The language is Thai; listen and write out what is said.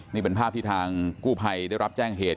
นี่เป็นภาพที่ทางกู้ภัยได้รับแจ้งเหตุ